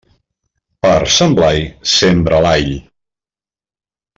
Per Sant Blai, sembra l'all.